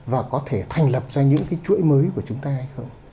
và có thể thành lập ra những cái chuỗi mới của chúng ta hay không